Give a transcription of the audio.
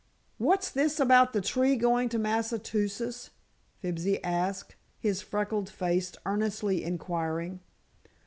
"What's this about the tree going to Massachusetts?" Fibsy asked, his freckled face earnestly inquiring.